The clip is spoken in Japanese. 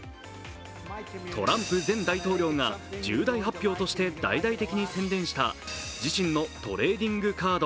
トランプ前大統領が重大発表として大々的に宣伝した自身のトレーディングカード